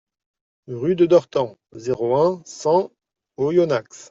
Rue de Dortan, zéro un, cent Oyonnax